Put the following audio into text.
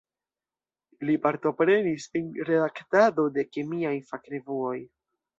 Li partoprenis en redaktado de kemiaj fakrevuoj.